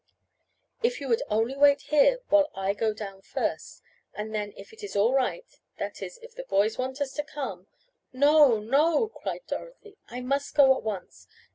"If you would only wait here while I go down first, and then if it is all right, that is, if the boys want us to come " "No, no," cried Dorothy. "I must go at once!